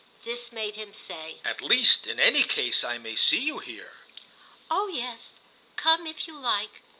This made him say: "At least, in any case, I may see you here." "Oh yes, come if you like.